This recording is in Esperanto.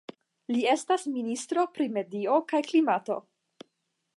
Li estas ministro pri medio kaj klimato.